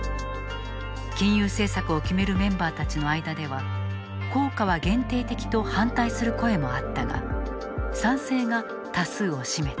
金融政策を決めるメンバーたちの間では効果は限定的と反対する声もあったが賛成が多数を占めた。